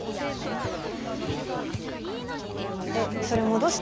えっそれ戻した？